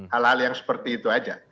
hal hal yang seperti itu aja